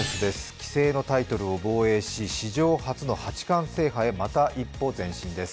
棋聖のタイトルを防衛し史上初の八冠制覇へまた一歩前進です。